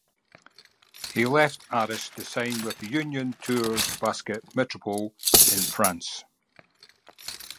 He left Aris to sign with Union Tours Basket Metropole in France.